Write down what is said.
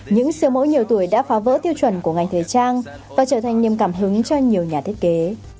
những siêu mẫu nhiều tuổi đã phá vỡ tiêu chuẩn của ngành thời trang và trở thành niềm cảm hứng cho nhiều nhà thiết kế